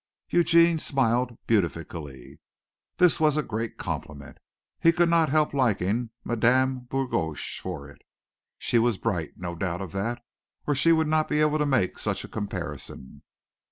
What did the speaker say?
Eugene smiled beatifically. This was a great compliment. He could not help liking Madame Bourgoche for it. She was bright, no doubt of that, or she would not be able to make such a comparison.